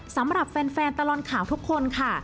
สำหรับแฟนตลอดข่าวทุกคนค่ะ